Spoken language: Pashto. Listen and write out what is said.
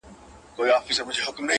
• دا ځلي غواړم لېونی سم د هغې مینه کي.